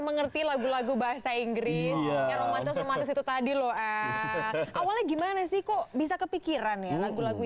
mengerti lagu lagu bahasa inggris itu tadi loh awalnya gimana sih kok bisa kepikiran lagu lagu